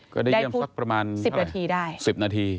ก็ได้เยี่ยมสักประมาณ๑๐นาทีได้